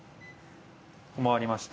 回りまして。